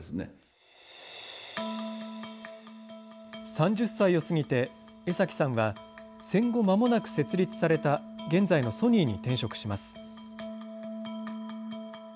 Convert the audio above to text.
３０歳を過ぎて、江崎さんは戦後まもなく設立された現在のソニーに転職します。